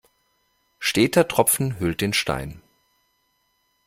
Steter Tropfen höhlt den Stein.